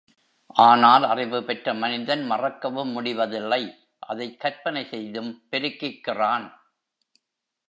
ஆனால், அறிவு பெற்ற மனிதன் மறக்கவும் முடிவதில்லை அதைக் கற்பனை செய்தும் பெருக்கிக் கிறான்.